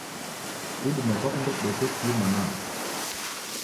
Idime kwakunde dideke kii mwanapo?